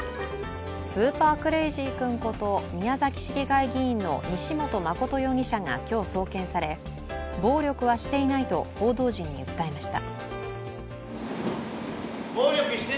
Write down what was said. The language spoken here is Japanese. スーパークレイジー君こと宮崎市議会議員の西本誠容疑者が今日、送検され、暴力はしていないと報道陣に訴えました。